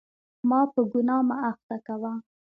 ما په ګناه مه اخته کوه.